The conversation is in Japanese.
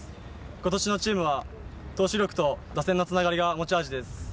今年のチームは、投手力と打線のつながりが持ち味です。